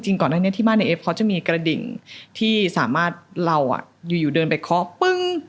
ก่อนหน้านี้ที่บ้านในเอฟเขาจะมีกระดิ่งที่สามารถเราอยู่เดินไปเคาะปึ้ง